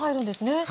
はい。